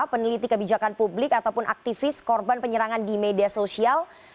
peneliti kebijakan publik ataupun aktivis korban penyerangan di media sosial